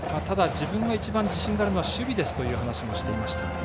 ただ、自分が一番自信があるのは守備ですという話もしていました。